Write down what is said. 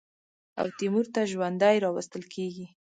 او تیمور ته ژوندی راوستل کېږي.